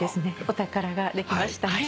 お宝ができましたね。